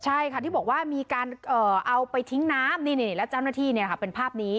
ใช่ค่ะที่บอกว่ามีการเอาไปทิ้งน้ำนี่แล้วเจ้าหน้าที่เป็นภาพนี้